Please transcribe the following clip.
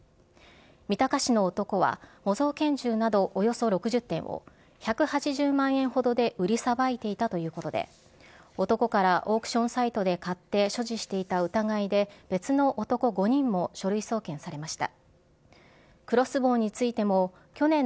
三鷹市の男は、模造拳銃などおよそ６０点を１８０万円ほどで売りさばいていたということで、男からオークションサイトで買って所持していた疑いで、別の男５人も書類送検されました。